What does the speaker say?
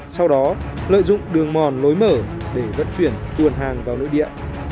sau đó lợi dụng đường mòn lối mở để vận chuyển nguồn hàng vào nội địa